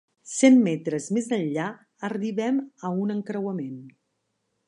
Cent metres més enllà, arribem a un encreuament.